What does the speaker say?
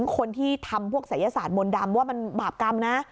คนที่ทำพวกศัยศาสตร์มนต์ดำว่ามันบาปกรรมนะ